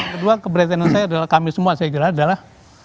kedua keberatan saya adalah kami semua saya kira adalah